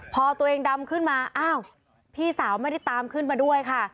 พอตัวเองดำขึ้นมาอ้าวพี่สาวไม่ได้ตามขึ้นมาด้วยค่ะ